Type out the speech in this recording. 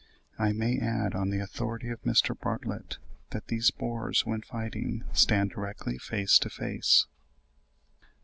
I may add, on the authority of Mr. Bartlett, that these boars when fighting stand directly face to face.